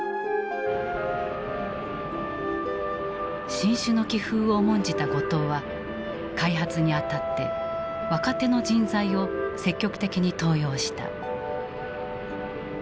進取の気風を重んじた後藤は開発に当たって若手の人材を積極的に登用した。